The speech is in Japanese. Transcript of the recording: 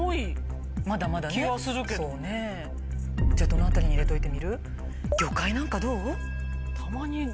じゃあどの辺りに入れといてみる？